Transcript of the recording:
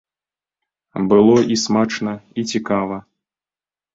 Было і смачна, і цікава.